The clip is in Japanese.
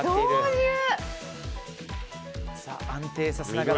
安定させながら。